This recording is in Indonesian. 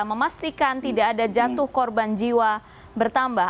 memastikan tidak ada jatuh korban jiwa bertambah